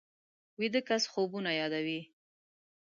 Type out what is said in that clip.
ویده کس خوبونه یادوي